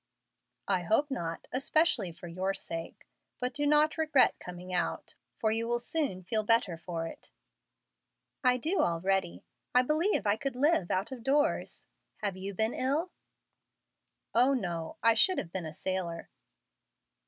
"I hope not, especially for your sake. But do not regret coming out, for you will soon feel better for it." "I do already; I believe I could live out of doors. Have you been ill?" "O no; I should have been a sailor."